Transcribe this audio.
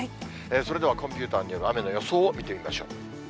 それでは、コンピューターによる雨の予想を見てみましょう。